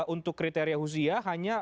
untuk kriteria usia hanya